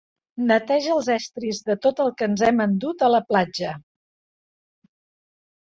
Neteja els estris de tot el que ens hem endut a la platja.